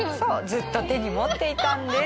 ずっと手に持っていたんです。